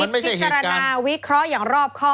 มันไม่ใช่เหตุการณ์พิจารณาวิเคราะห์อย่างรอบครอบ